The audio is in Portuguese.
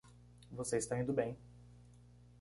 Você está indo bem